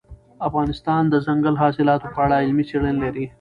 افغانستان د دځنګل حاصلات په اړه علمي څېړنې لري.